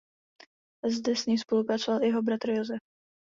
Zde s ním spolupracoval i jeho bratr Josef.